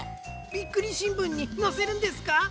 「びっくりしんぶん」にのせるんですか？